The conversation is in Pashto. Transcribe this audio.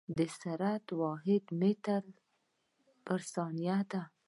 د سرعت واحد متر پر ثانیه دی.